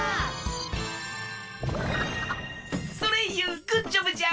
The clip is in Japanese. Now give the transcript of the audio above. ソレイユグッジョブじゃ！